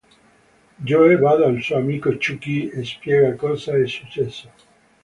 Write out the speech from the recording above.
Joe va dal suo amico Chucky e spiega cosa è successo.